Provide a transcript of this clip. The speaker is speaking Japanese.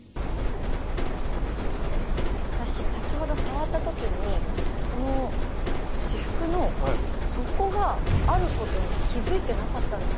私先ほど触った時にこの仕覆の底があることに気付いてなかったんですね。